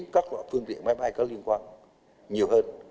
các loại phương tiện máy bay có liên quan nhiều hơn